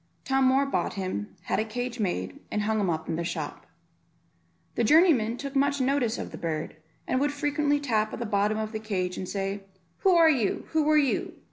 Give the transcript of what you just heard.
Tom Moor bought him, had a cage made, and hung him up in the shop. The journeymen took much notice of the bird, and would frequently tap at the bottom of the cage, and say, "Who are you? Who are you?